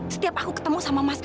setiap aku ketemu sama mas